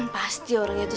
pasti orangnya tuh